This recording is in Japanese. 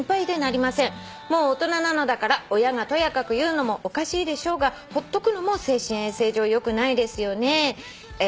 「もう大人なのだから親がとやかく言うのもおかしいでしょうがほっとくのも精神衛生上よくないですよね」